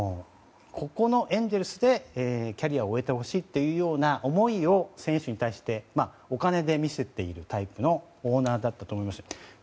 エンゼルスでキャリアを終えてほしいという思いを、選手に対してお金で見せているタイプのオーナーだったと思います。